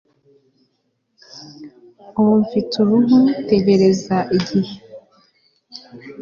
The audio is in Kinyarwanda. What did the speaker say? ubu mfite uruhu; tegereza igihe